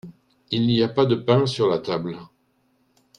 Il n’y a pas de pain sur la table.